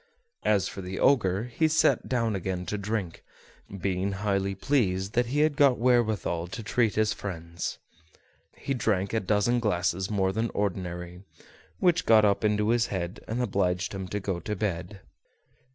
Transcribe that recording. As for the Ogre, he sat down again to drink, being highly pleased that he had got wherewithal to treat his friends. He drank a dozen glasses more than ordinary, which got up into his head and obliged him to go to bed.